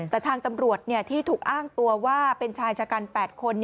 แต่ทางตำรวจที่ถูกอ้างตัวว่าเป็นชายชะกัน๘คน